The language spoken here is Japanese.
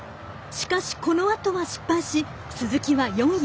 しかし、このあとは失敗し鈴木は４位。